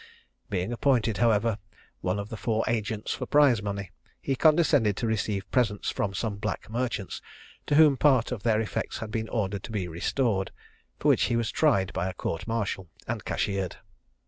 Being appointed, however, one of the four agents for prize money, he condescended to receive presents from some black merchants, to whom part of their effects had been ordered to be restored, for which he was tried by a court martial, and cashiered.